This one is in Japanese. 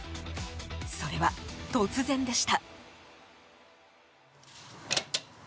それは、突然でした。